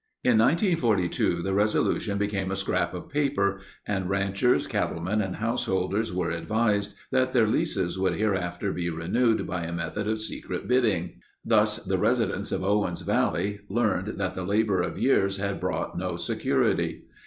In 1942 the resolution became a scrap of paper, and ranchers, cattle men and householders were advised that their leases would hereafter be renewed by a method of secret bidding. Thus the residents of Owens Valley learned that the labor of years had brought no security.